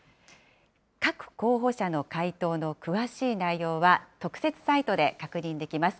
各候補者の回答の詳しい内容は、特設サイトで確認できます。